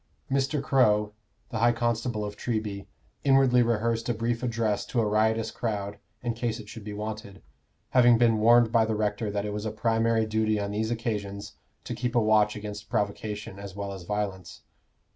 Mr. Crow, the high constable of Treby, inwardly rehearsed a brief address to a riotous crowd in case it should be wanted, having been warned by the rector that it was a primary duty on these occasions to keep a watch against provocation as well as violence.